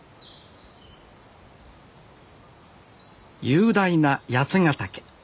雄大な八ヶ岳